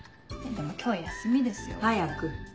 でも今日休みですよ？早く。